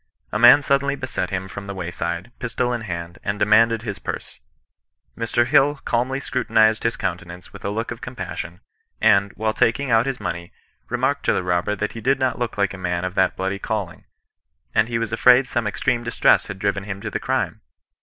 A man suddenly beset him from the wayside, pistol in hand, and demanded his purse. Mr. HUl calmly scrutinized his countenance with a look of compassion, and, while taking out his money, remarked to the robber that he did not look like a man of that bloody calling, and he was afraid some extreme distress had driven him to the crime.